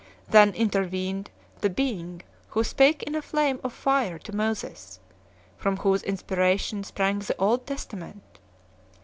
Then intervened the Being who spake in a flame of fire to Moses, from whose inspiration sprang the Old Testament.